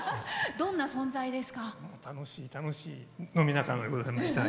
どんな存在ですか？